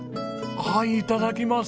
はいいただきます。